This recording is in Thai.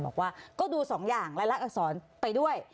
บอกว่าก็ดูสองอย่างรายลักษรไปด้วย